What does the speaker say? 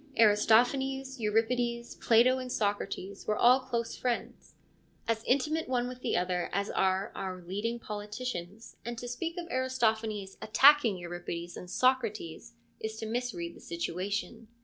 Aristophanes, Euripides, Plato, and Socrates were all close friends, as intimate one with the other as are our leading politicians, and to speak of Aristophanes ' attacking ' Euripides and Socrates is to misread the situation.